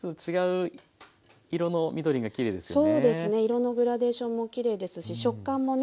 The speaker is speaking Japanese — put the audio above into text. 色のグラデーションもきれいですし食感もね